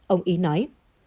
ông ý nói